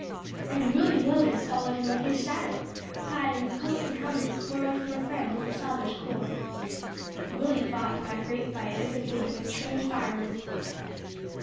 And Willie Willders followed him like his shadow! clad in a coat and helmet borrowed from a friend in the Salvage Corps. Willie fought in that great fight as if he had been a trained fireman.